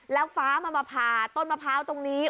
แล้วฟ้ามันมาผ่าต้นมะพร้าวตรงนี้